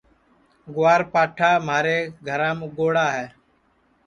گُوار پاٹھا مھارے گھرام اُگوڑا ہے